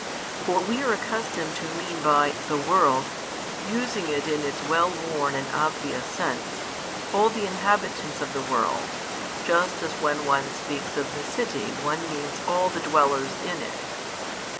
For we are accustomed to mean by the world, using it in its well worn and obvious sense, all the inhabitants of the world, just as when one speaks of the city one means all the dwellers in it.